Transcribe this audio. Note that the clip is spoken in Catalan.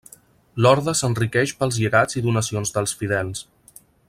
L'orde s'enriqueix pels llegats i donacions dels fidels.